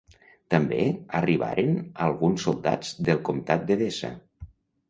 També arribaren alguns soldats del Comtat d'Edessa.